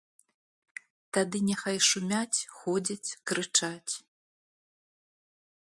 Тады няхай шумяць, ходзяць, крычаць.